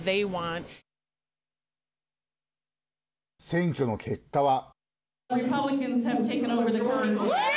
選挙の結果は。